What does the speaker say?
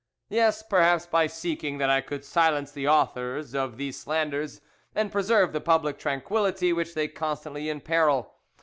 Yes, perhaps by seeking that I could silence the authors of these slanders and preserve the public tranquillity which they constantly imperil.